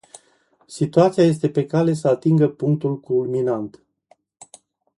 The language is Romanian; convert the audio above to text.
Situația este pe cale să atingă punctul culminant.